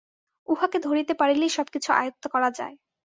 উহাকে ধরিতে পারিলেই সবকিছু আয়ত্ত করা যায়।